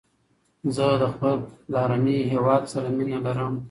زه له خپل پلارنی هیواد سره مینه لرم